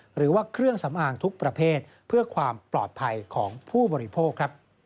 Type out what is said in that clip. หรือว่าเครื่องสำอางทุกประเภทเพื่อความปลอดภัยของผู้บริโภคครับ